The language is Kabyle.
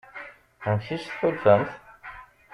Amek i s-tḥulfamt?